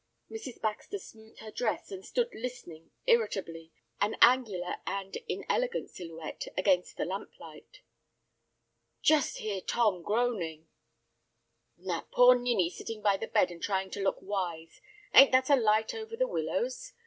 Mrs. Baxter smoothed her dress, and stood listening irritably, an angular and inelegant silhouette against the lamp light. "Just hear Tom groaning." "And that poor ninny sitting by the bed and trying to look wise. Ain't that a light over the willows?